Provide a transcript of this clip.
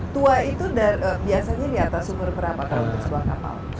tua itu biasanya di atas umur berapa pak untuk sebuah kapal